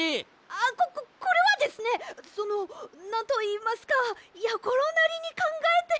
あっこここれはですねそのなんといいますかやころなりにかんがえて。